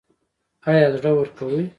ایا زړه ورکوئ؟